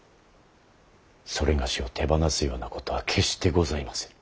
某を手放すようなことは決してございませぬ。